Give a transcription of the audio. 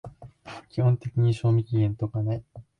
基本的に賞味期限とかない